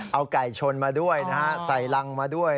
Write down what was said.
เอาไก่ชนมาด้วยนะฮะใส่รังมาด้วย